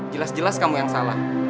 jelas jelas kamu yang salah